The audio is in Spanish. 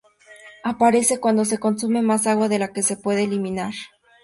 Aparece cuando se consume más agua de la que se puede eliminar.